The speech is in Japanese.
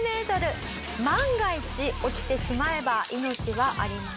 「万が一落ちてしまえば命はありません」